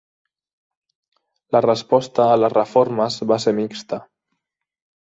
La resposta a les reformes va ser mixta.